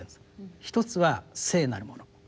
一つは聖なるもの